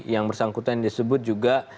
yang bersangkutan disebut juga